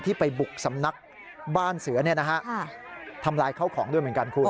ไปบุกสำนักบ้านเสือทำลายเข้าของด้วยเหมือนกันคุณ